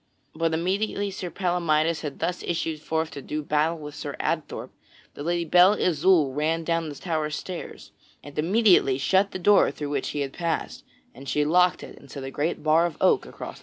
But immediately Sir Palamydes had thus issued forth to do battle with Sir Adthorp, the Lady Belle Isoult ran down the tower stairs and immediately shut the door through which he had passed, and she locked it and set a great bar of oak across the door.